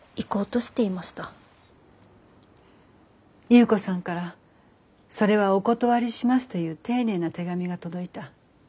優子さんから「それはお断りします」という丁寧な手紙が届いた。